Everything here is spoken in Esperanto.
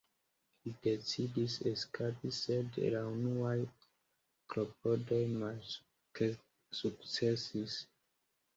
Li decidis eskapi sed la unuaj klopodoj malsukcesis.